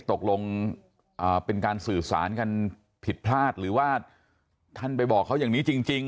ตกลงเป็นการสื่อสารกันผิดพลาดหรือว่าท่านไปบอกเขาอย่างนี้จริง